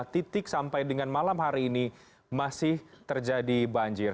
empat titik sampai dengan malam hari ini masih terjadi banjir